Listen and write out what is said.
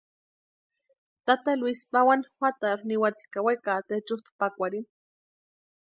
Tata Luisi pawani juatarhu niwati ka wekati echutʼa pakwarhini.